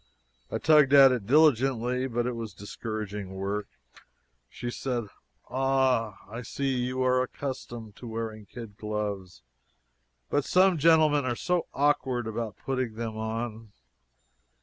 I tugged at it diligently, but it was discouraging work. She said: "Ah! I see you are accustomed to wearing kid gloves but some gentlemen are so awkward about putting them on."